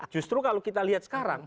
justru kalau kita lihat sekarang